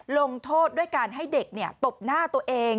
ลงโทษด้วยการให้เด็กตบหน้าตัวเอง